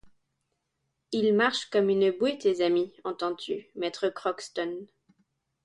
Ils marchent comme une bouée, tes amis, entends-tu, maître Crockston?